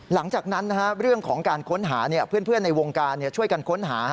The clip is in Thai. หลังจากนั้นเรื่องของการค้นหาเพื่อนในวงการช่วยกันค้นหา